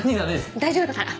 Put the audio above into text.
大丈夫だから！